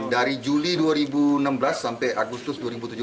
dari juli dua ribu enam belas sampai agustus dua ribu tujuh belas